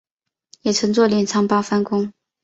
也称作镰仓八幡宫。